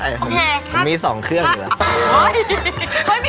แต่มีสองเครื่องเพราะละ